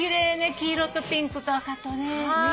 黄色とピンクと赤とね。